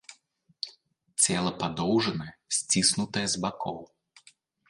Цела падоўжанае, сціснутае з бакоў.